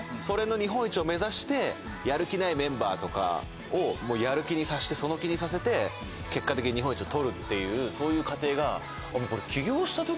それの日本一を目指してやる気ないメンバーとかをやる気にさせてその気にさせて結果的に日本一を取るっていうそういう過程が。